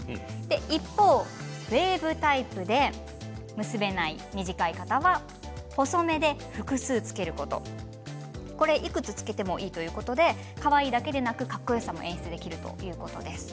一方ウエーブタイプで結べない、短い方は細めで複数つけることいくつつけてもいいということでかわいいだけではなくかっこよさも演出できるということです。